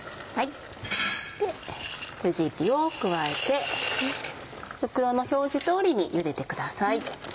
フジッリを加えて袋の表示通りにゆでてください。